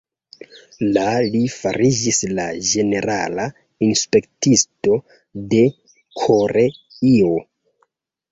La li fariĝis la ĝenerala inspektisto de Koreio.